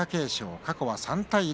過去は３対０。